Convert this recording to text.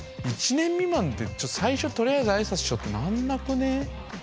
１年未満で最初とりあえず挨拶しようってなんなくね？